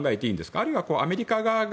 あるいはアメリカ側が